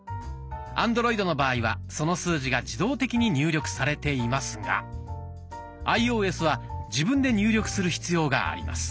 アンドロイドの場合はその数字が自動的に入力されていますがアイオーエスは自分で入力する必要があります。